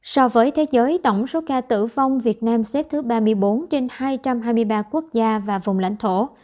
so với thế giới tổng số ca tử vong việt nam xếp thứ ba mươi bốn trên hai trăm hai mươi ba quốc gia và vùng lãnh thổ